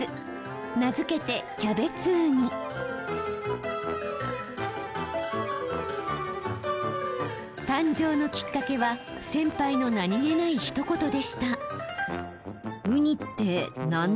名付けて誕生のきっかけは先輩の何気ないひと言でした。